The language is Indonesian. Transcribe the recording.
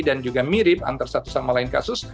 dan juga mirip antara satu sama lain kasus